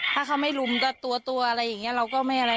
ถ้าเขาไม่รุมจะตัวอะไรอย่างนี้เราก็ไม่อะไร